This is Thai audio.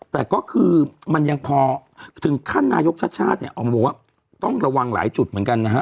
แต่ก็คือมันยังพอถึงขั้นนายกชาติชาติเนี่ยออกมาบอกว่าต้องระวังหลายจุดเหมือนกันนะฮะ